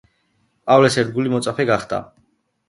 პავლეს ერთგული მოწაფე გახდა.